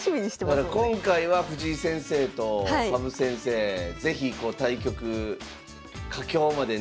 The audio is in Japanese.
だから今回は藤井先生と羽生先生是非対局佳境までね